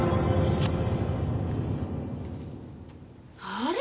あれ？